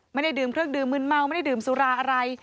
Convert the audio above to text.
ไม่ได้ดื่มเครื่องดื่มมืนเมาไม่ได้ดื่มสุราอะไร